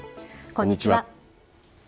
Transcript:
こんにちは。